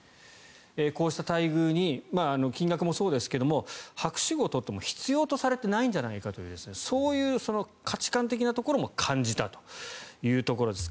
こうした待遇に金額もそうですが博士号を取っても必要とされてないんじゃないかというそういう価値観的なところも感じたというところです。